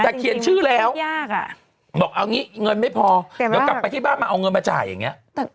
แต่เขียนชื่อแล้วยากอ่ะบอกเอางี้เงินไม่พอเดี๋ยวกลับไปที่บ้านมาเอาเงินมาจ่ายอย่างเงี้ย